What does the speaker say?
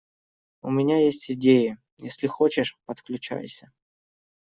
У меня есть идеи, если хочешь - подключайся.